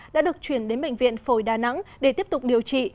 đã được chuyển đến bệnh viện phổi đà nẵng để tiếp tục điều trị